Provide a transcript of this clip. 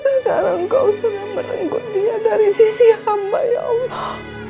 sekarang kau sudah menenggut dia dari sisi hamba ya allah